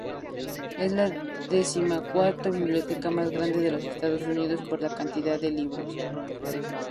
Es la decimocuarta biblioteca más grande de los Estados Unidos por cantidad de libros.